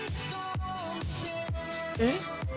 えっ？